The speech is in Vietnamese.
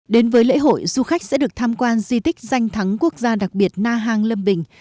đến với lễ hội du khách sẽ được tham quan di tích danh thắng quốc gia đặc biệt na hàng lâm bình